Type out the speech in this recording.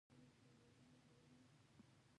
موږ د مجرم په اړه هیڅ نښه نلرو.